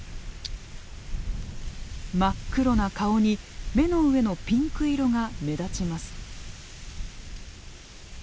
真っ黒な顔に目の上のピンク色が目立ちます。